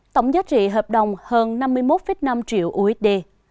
tổng giá trị hợp đồng hơn năm mươi một năm triệu usd